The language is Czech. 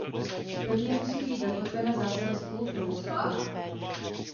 Pevně musí být zakotvena zásada spolufinancování.